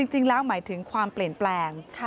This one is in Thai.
จริงแล้วหมายถึงความเปลี่ยนแปลง